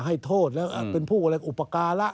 ให้โทษแล้วเป็นผู้อะไรอุปการะ